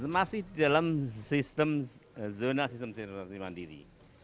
masih dalam sistem zona sistem cianjur cimandiri